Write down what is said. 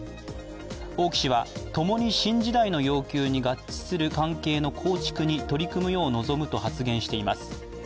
王毅氏は、ともに新時代の要求に合致する関係の構築に取り組むよう望むと発言しています。